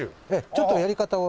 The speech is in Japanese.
ちょっとやり方を。